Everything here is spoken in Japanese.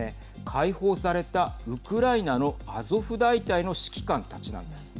解放されたウクライナのアゾフ大隊の指揮官たちなんです。